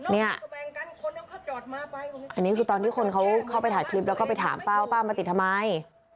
เนี่ยอันนี้คือตอนที่คนเขาเข้าไปถ่ายคลิปแล้วก็ไปถามป้าว่าป้ามาติดทำไม